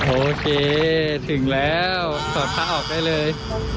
โอเคถึงแล้วถอดผ้าออกได้เลย